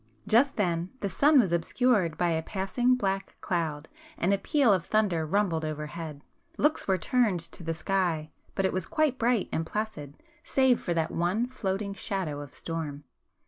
Just then, the sun was obscured by a passing black cloud, and a peal of thunder rumbled over head. Looks were turned to the sky, but it was quite bright and placid save for that one floating shadow of storm.